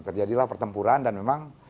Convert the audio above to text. terjadilah pertempuran dan memang